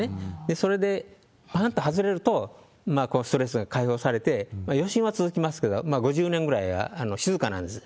それでぱかっと外れるとストレスが解放されて、余震は続きますけれども、５０年ぐらい静かなんです。